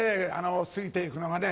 過ぎていくのがね